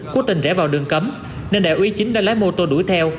cố tình rẽ vào đường cấm nên đại úy chính đã lái mô tô đuổi theo